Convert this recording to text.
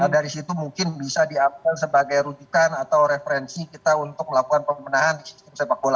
dari situ mungkin bisa diambil sebagai rujukan atau referensi kita untuk melakukan pemenahan di sistem sepak bola